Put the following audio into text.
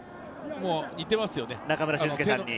似てますね、中村俊輔選手に。